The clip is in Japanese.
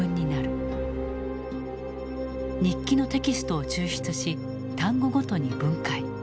日記のテキストを抽出し単語ごとに分解。